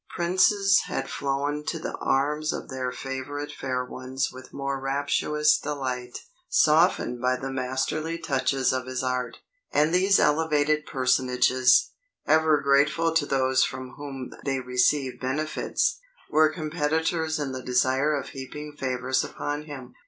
Princes had flown to the arms of their favourite fair ones with more rapturous delight, softened by the masterly touches of his art: and these elevated personages, ever grateful to those from whom they receive benefits, were competitors in the desire of heaping favours upon him.